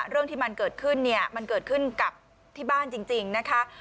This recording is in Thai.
เรื่องที่มันเกิดขึ้นเนี่ยมันเกิดขึ้นกับที่บ้านจริงนะคะ